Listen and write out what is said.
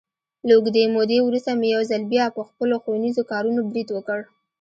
له اوږدې مودې ورسته مې یو ځل بیا، په خپلو ښوونیزو کارونو برید وکړ.